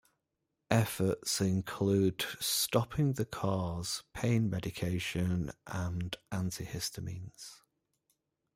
Efforts include stopping the cause, pain medication, and antihistamines.